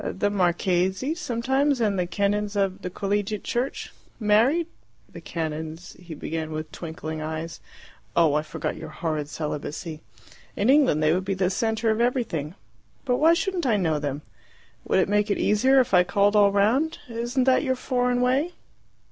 "The marchese, sometimes, and the canons of the Collegiate Church." "Married?" "The canons " he began with twinkling eyes. "Oh, I forgot your horrid celibacy. In England they would be the centre of everything. But why shouldn't I know them? Would it make it easier if I called all round? Isn't that your foreign way?"